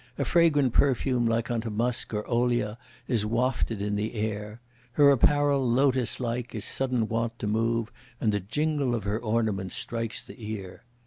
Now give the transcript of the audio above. a fragrant perfume like unto musk or olea is wafted in the air; Her apparel lotus like is sudden wont to move; and the jingle of her ornaments strikes the ear.